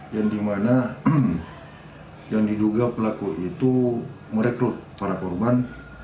yang dimana yang diduga pelaku itu merekrut para korban